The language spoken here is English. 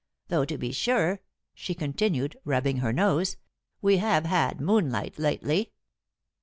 Though to be sure," she continued, rubbing her nose, "we have had moonlight lately."